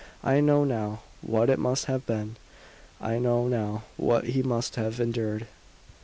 I know now what it must have been; I know now what he must have endured.